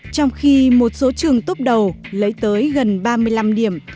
trong khi một số trường tốt đầu lấy tới gần ba mươi năm điểm